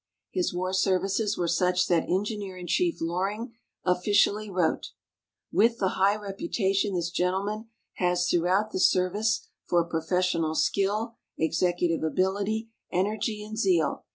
His war services were such that Engineer in Chief Loring officially wrote, " With the high reputation this gentleman has throughout the service for professional skill, executive ability, energy, and zeal